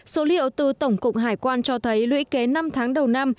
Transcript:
số liệu từ tổng cụng hải quan cho thấy lưỡi kế năm tháng đầu năm